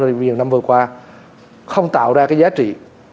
thì nhiều năm vừa qua không tạo ra cái giá trị